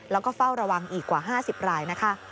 แล้วก็เฝ้าระวังอีกกว่า๕๐รายนะคะ